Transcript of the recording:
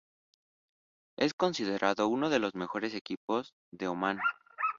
Es considerado uno de los mejores equipos de Omán.